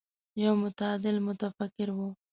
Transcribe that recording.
يو متعادل متفکر و.